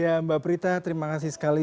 ya mbak prita terima kasih sekali